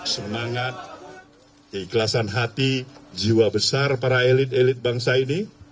semangat keikhlasan hati jiwa besar para elit elit bangsa ini